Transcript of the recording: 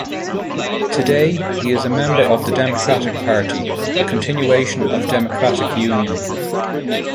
Today, he is a member of the Democratic Party, the continuation of Democratic Union.